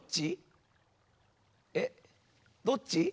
えどっち？